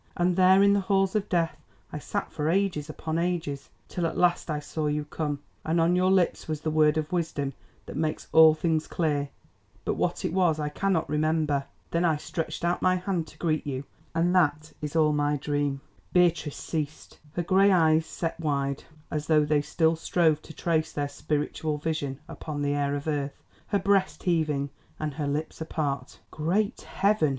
And there in the Halls of Death I sat for ages upon ages, till at last I saw you come, and on your lips was the word of wisdom that makes all things clear, but what it was I cannot remember. Then I stretched out my hand to greet you, and woke, and that is all my dream." She ceased, her grey eyes set wide, as though they still strove to trace their spiritual vision upon the air of earth, her breast heaving, and her lips apart. "Great heaven!"